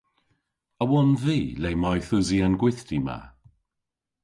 A wonn vy le mayth usi an gwithti ma?